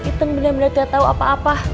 itu benar benar tidak tahu apa apa